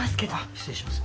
失礼します。